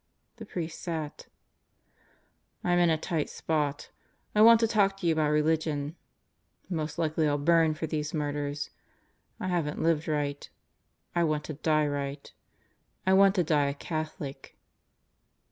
The priest sat. "I'm in a tight spot. I want to talk to you about religion. Most likely I'll burn for these murders. I haven't lived right. I want to die right. I want to die a Catholic."